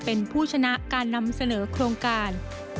เป็นผู้ชนะการนำเสนอโครงการ